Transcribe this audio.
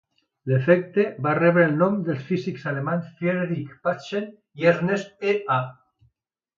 L'efecte va rebre el nom dels físics alemanys Friedrich Paschen i Ernst E. A.